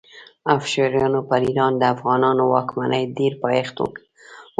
افشاریانو پر ایران د افغانانو واکمنۍ ډېر پایښت ونه کړ.